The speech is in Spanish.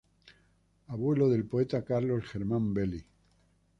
Abuelo del poeta Carlos Germán Belli.